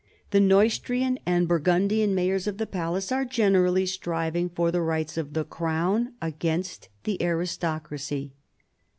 The Neustrian and Bur gundian mayors of the palace are generally striving for the rights of the crown against the aristocracy.